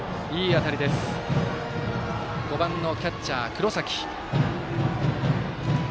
５番のキャッチャー、黒崎。